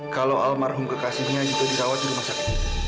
kalau almarhum kekasihnya itu dirawat di rumah sakit